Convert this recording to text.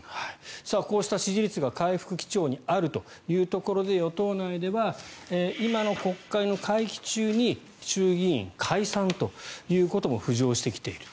こうした、支持率が回復基調にあるというところで与党内では今の国会の会期中に衆議院解散ということも浮上してきている。